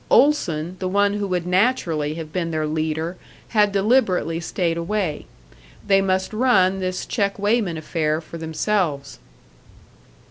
Olson, the one who would naturally have been their leader, had deliberately stayed away. They must run this check weighman affair for themselves!